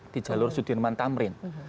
di jalur sudirman tamrin